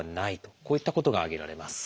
こういったことが挙げられます。